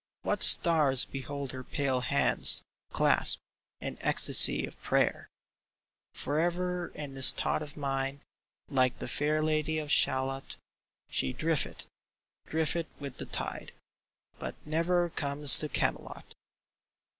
What stars behold her pale hands, clasped In ecstasy of prayer ? Forever in this thought of mine, Like the fair Lady of Shalott, She drifteth, drifteth with the tide, But never comes to Camelot